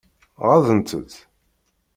Ɣaḍent-t?